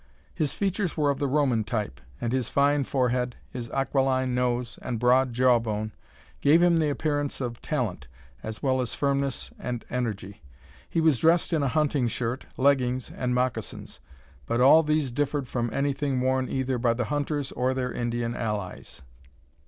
His features were of the Roman type; and his fine forehead, his aquiline nose and broad jawbone, gave him the appearance of talent, as well as firmness and energy. He was dressed in a hunting shirt, leggings, and moccasins; but all these differed from anything worn either by the hunters or their Indian allies.